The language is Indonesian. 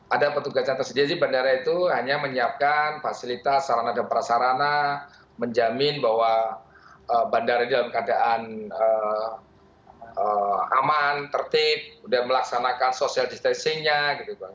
ada petugas yang tersedia di bandara itu hanya menyiapkan fasilitas sarana dan prasarana menjamin bahwa bandara ini dalam keadaan aman tertib udah melaksanakan social distancingnya gitu bang